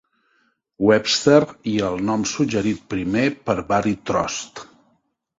Webster i el nom suggerit primer per Barry Trost.